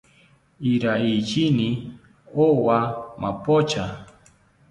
Iraiyini owa mapocha